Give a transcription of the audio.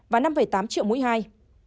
và năm tám triệu mũi hai